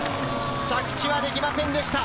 着地はできませんでした。